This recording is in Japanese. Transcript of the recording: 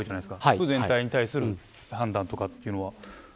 部全体に対する判断というのは。